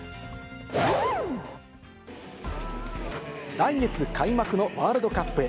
来月開幕のワールドカップへ。